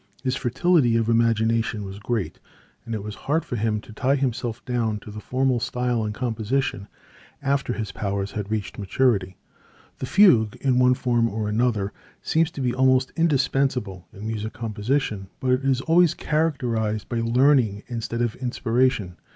His fertility of imagination was great and it was hard for him to tie himself down to the formal style in composition, after his powers had reached maturity. The fugue, in one form or another, seems to be almost indispensable in musical composition, but it is always characterized by learning instead of inspiration.